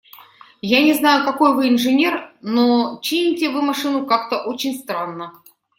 Я не знаю, какой вы инженер, но… чините вы машину как-то очень странно.